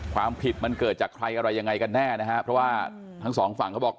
ความผิดมันเกิดจากใครอะไรยังไงกันแน่นะฮะเพราะว่าทั้งสองฝั่งเขาบอก